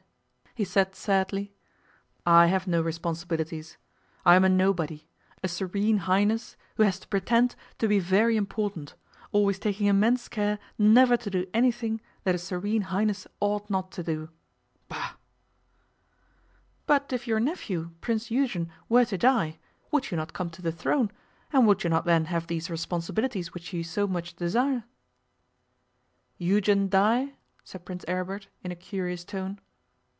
he said sadly. 'I have no responsibilities. I am a nobody a Serene Highness who has to pretend to be very important, always taking immense care never to do anything that a Serene Highness ought not to do. Bah!' 'But if your nephew, Prince Eugen, were to die, would you not come to the throne, and would you not then have these responsibilities which you so much desire?' 'Eugen die?' said Prince Aribert, in a curious tone.